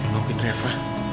ya mungkin reva